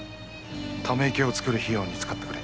溜め池を作る費用に使ってくれ。